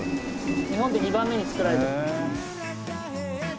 日本で２番目に造られた。